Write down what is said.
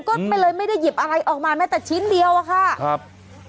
ก็เลยไม่ได้หยิบอะไรออกมาแม้แต่ชิ้นเดียวอะค่ะครับ